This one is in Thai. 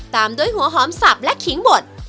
ตามด้วยหัวหอมสับและขิงบด